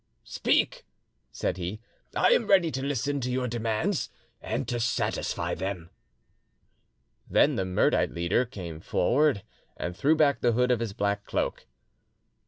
"Speak," said he; "I am ready to listen to your demands and to satisfy them." Then the Mirdite leader came forward and threw back the hood of his black cloak.